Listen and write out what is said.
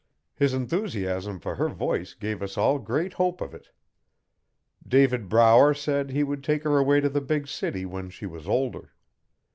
His enthusiasm for her voice gave us all great hope of it. David Brower said he would take her away to the big city when she was older.